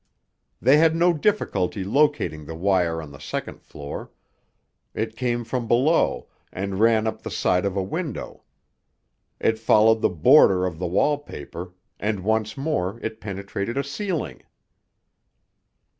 They had no difficulty locating the wire on the second floor. It came from below, and ran up the side of a window. It followed the border of the wall paper, and once more it penetrated a ceiling.